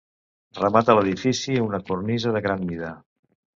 Remata l'edifici una cornisa de gran mida.